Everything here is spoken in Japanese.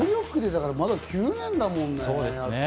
まだ９年だもんね。